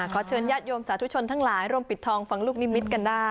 เชิญญาติโยมสาธุชนทั้งหลายร่วมปิดทองฟังลูกนิมิตกันได้